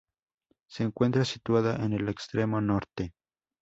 Se encuentra situada en el extremo norte.